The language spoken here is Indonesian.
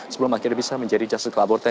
sebelum akhirnya bisa menjadi justice collaborator